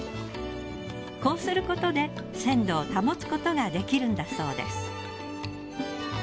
こうすることで鮮度を保つことができるんだそうです。